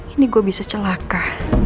ini gue bisa celaka